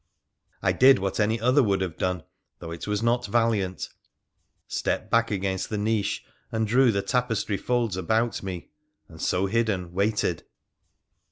I did what any other would have done, though it was not valiant— stepped back against the niche and drew the tapestry folds about me, and so hidden waited.